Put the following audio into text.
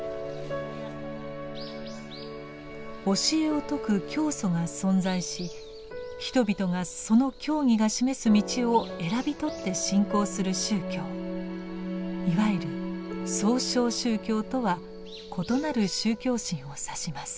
教えを説く教祖が存在し人々がその教義が示す道を選び取って信仰する宗教いわゆる「創唱宗教」とは異なる宗教心を指します。